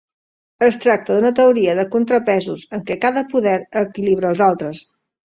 Es tracta d'una teoria de contrapesos, en què cada poder equilibra els altres.